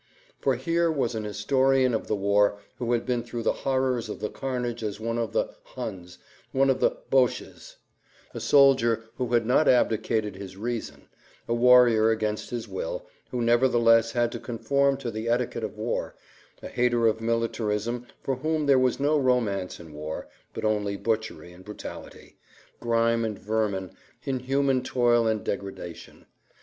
For here was an historian of the war who had been through the horrors of the carnage as one of the "Huns," one of the "Boches"; a soldier who had not abdicated his reason; a warrior against his will, who nevertheless had to conform to the etiquette of war; a hater of militarism for whom there was no romance in war, but only butchery and brutality, grime and vermin, inhuman toil and degradation.